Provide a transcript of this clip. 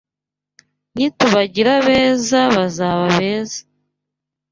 Nitubagira beza bazaba beza,